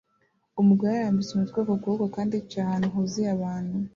Umugore arambitse umutwe ku kuboko kandi yicaye ahantu huzuye abantu